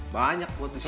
banyak buat di sini